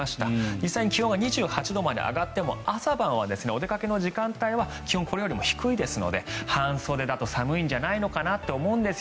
実際に気温が２８度まで上がっても朝晩、お出かけの時間帯は気温、これよりも低いですので半袖だと寒いんじゃないのかなと思うんです。